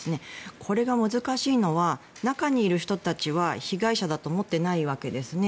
これが難しいのは中にいる人たちは被害者だと思ってないわけですね。